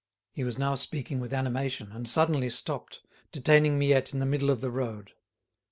He was now speaking with animation, and suddenly stopped, detaining Miette in the middle of the road.